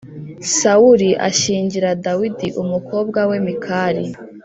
Sawuli ashyingira Dawidi umukobwa we Mikali